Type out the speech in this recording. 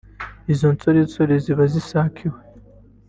izo nsoresore ziba zisakiwe